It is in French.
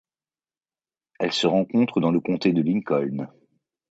Elle se rencontre dans le comté de Lincoln.